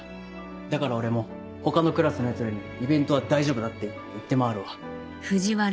だから俺も他のクラスのヤツらにイベントは大丈夫だって言って回るわ。